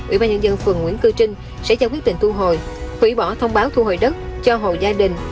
ủy ban nhân dân phường nguyễn cư trinh sẽ cho quyết định thu hồi hủy bỏ thông báo thu hồi đất cho hồ gia đình